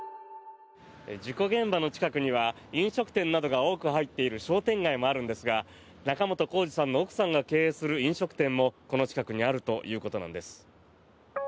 事故現場の近くには飲食店などが多く入っている商店街もあるんですが仲本工事さんの奥さんが経営する飲食店も、この近くにあるということなんです。